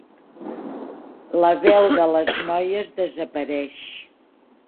La veu de les noies desapareix.